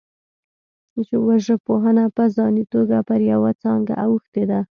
وژژبپوهنه په ځاني توګه پر یوه څانګه اوښتې ده